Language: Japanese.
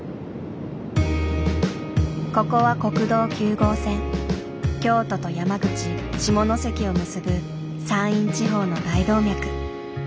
ここは京都と山口・下関を結ぶ山陰地方の大動脈。